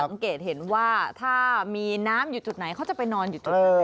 สังเกตเห็นว่าถ้ามีน้ำอยู่จุดไหนเขาจะไปนอนอยู่ตรงไหน